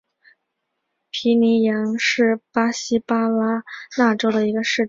皮尼扬是巴西巴拉那州的一个市镇。